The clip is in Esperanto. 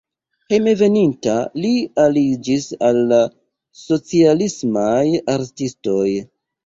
Hejmenveninta li aliĝis al la socialismaj artistoj.